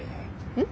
うん？